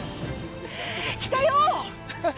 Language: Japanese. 来たよっ！